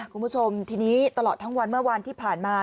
คุณผู้ชมทีนี้ตลอดทั้งวันเมื่อวานที่ผ่านมา